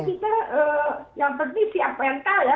saya kira yang penting kita siap mental ya